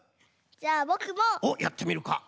じゃあぼくも。おっやってみるか。